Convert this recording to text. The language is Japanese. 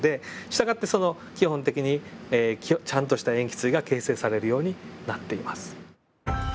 従ってその基本的にちゃんとした塩基対が形成されるようになっています。